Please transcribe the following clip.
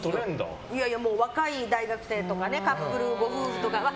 若い大学生とかカップルご夫婦とかは。